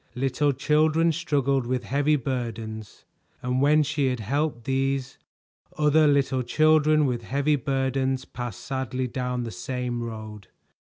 Little children struggled with heavy burdens, and when she had helped these, other little children with heavy burdens passed sadly down the same road.